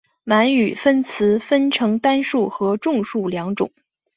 满语名词分成单数和众数两种。